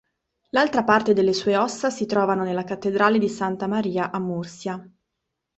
L'altra parte delle sue ossa si trovano nella Cattedrale di Santa Maria a Murcia.